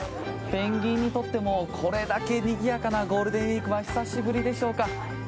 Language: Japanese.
ペンギンにとってもこれだけにぎやかなゴールデンウィークは久しぶりでしょうか。